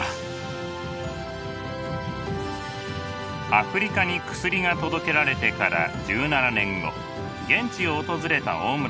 アフリカに薬が届けられてから１７年後現地を訪れた大村さん。